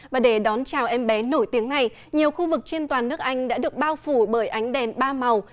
và để đón chào em bé nổi tiếng này nhiều khu vực trên toàn nước anh đã được bao phủ bởi ánh đèn ba màu